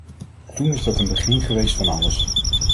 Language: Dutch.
Toen is dat een begin geweest van alles.